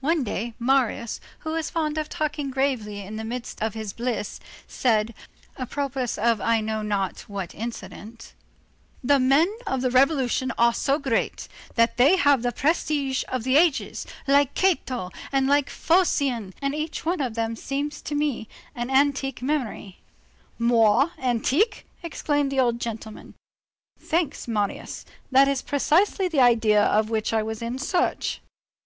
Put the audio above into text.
One day Marius, who was fond of talking gravely in the midst of his bliss, said, apropos of I know not what incident: "The men of the revolution are so great, that they have the prestige of the ages, like Cato and like Phocion, and each one of them seems to me an antique memory." "Moire antique!" exclaimed the old gentleman. "Thanks, Marius. That is precisely the idea of which I was in search."